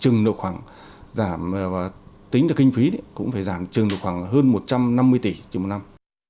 trừng độ khoảng giảm và tính ra kinh phí cũng phải giảm trừng độ khoảng hơn một trăm năm mươi tỷ chỉ một năm